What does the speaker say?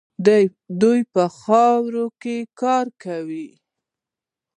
دوی په خاورو کې کار کوي.